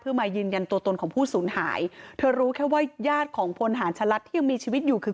เพื่อมายืนยันตัวตนของผู้สูญหายเธอรู้แค่ว่าญาติของพลฐานชะลัดที่ยังมีชีวิตอยู่คือ